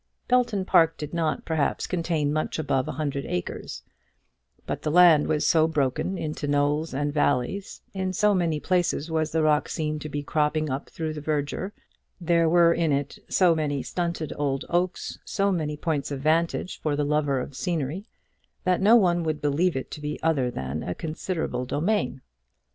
Belton Park did not, perhaps, contain much above a hundred acres, but the land was so broken into knolls and valleys, in so many places was the rock seen to be cropping up through the verdure, there were in it so many stunted old oaks, so many points of vantage for the lover of scenery, that no one would believe it to be other than a considerable domain.